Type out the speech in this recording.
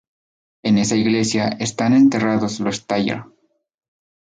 En esa iglesia están enterrados los Thayer.